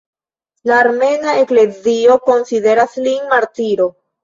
La Armena Eklezio konsideras lin martiro.